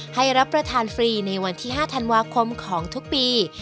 รับประทานฟรีในวันที่๕ธันวาคมของทุกปี